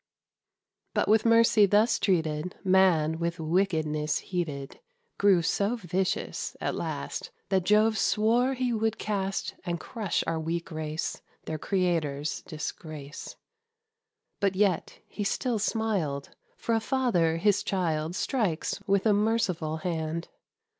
But, with mercy thus treated, Man, with wickedness heated, Grew so vicious, at last, That Jove swore he would cast And crush our weak race, Their Creator's disgrace. But yet he still smiled; For a father his child Strikes with merciful hand.